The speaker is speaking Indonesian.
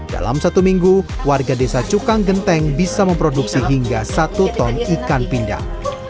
dalam satu minggu warga desa cukang genteng bisa memproduksi hingga satu ton ikan pindang